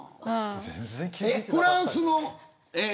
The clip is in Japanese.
フランスの。